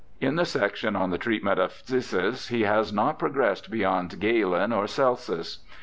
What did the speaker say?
In the section on the treatment of phthisis he has not progressed beyond Galen or Celsus.